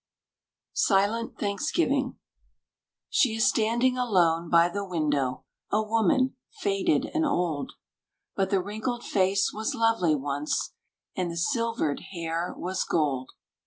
Silent Thanksgiving She is standing alone by the window A woman, faded and old, But the wrinkled face was lovely once, And the silvered hair was gold.